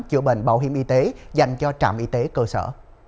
chữa bệnh bảo hiểm y tế dành cho trạm y tế cơ sở